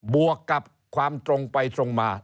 วกกับความตรงไปตรงมา